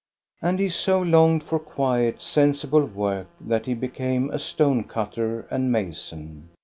And he so longed for quiet, sensible work that he became a stone cutter and mason.